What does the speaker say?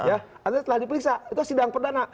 akhirnya telah diperiksa itu adalah sidang perdana